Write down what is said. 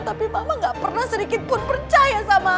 tapi mama gak pernah sedikit pun percaya sama